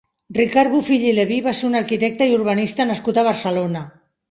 Ricard Bofill i Leví va ser un arquitecte i urbanista nascut a Barcelona.